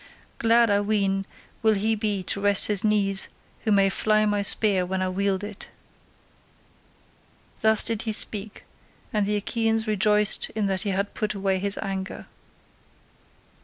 Glad, I ween, will he be to rest his knees who may fly my spear when I wield it." Thus did he speak, and the Achaeans rejoiced in that he had put away his anger.